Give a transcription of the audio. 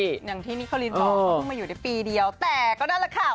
อย่างที่นิคอลินบอกมาอยู่ในปีเดียวแต่ก็นั่นแหละค่ะ